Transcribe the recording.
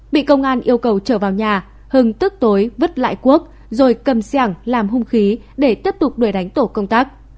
bị công an yêu cầu trở vào nhà hưng tức tối vứt lại cuốc rồi cầm xe hàng làm hung khí để tiếp tục đuổi đánh tổ công tác